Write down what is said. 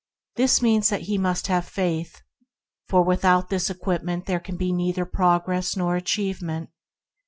This means that he must have faith; for without this equipment there can be neither progress nor achievement.